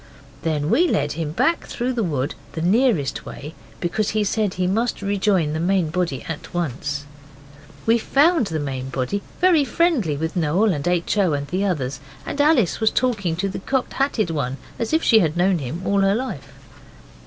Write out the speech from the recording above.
Then we led him back through the wood the nearest way, because he said he must rejoin the main body at once. We found the main body very friendly with Noel and H. O. and the others, and Alice was talking to the Cocked Hatted One as if she had known him all her life.